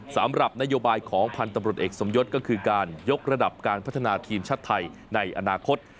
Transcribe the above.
สำหรับนโยบายของพันธุ์ตำรวจเอกสมยศก็คือการยกระดับการพัฒนาทีมชาติไทยในอนาคต